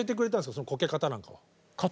そのこけ方なんかは。